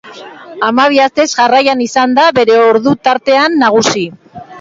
Hamabi astez jarraian izan da bere ordu tartean nagusi.